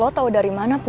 lo tau dari mana put